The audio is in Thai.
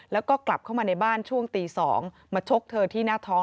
แล้วก็กลับเข้ามาในบ้านช่วงตี๒มาชกเธอที่หน้าท้อง